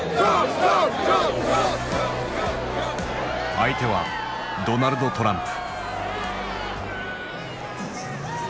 相手はドナルド・トランプ。